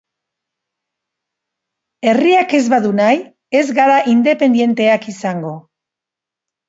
Herriak ez badu nahi, ez gara independenteak izango.